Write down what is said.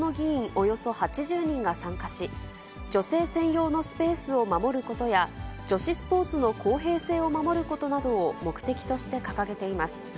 およそ８０人が参加し、女性専用のスペースを守ることや、女子スポーツの公平性を守ることなどを目的として掲げています。